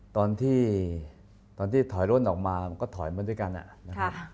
ตอนที่ตอนที่ถอยรถออกมาก็ถอยมาด้วยกันนะครับ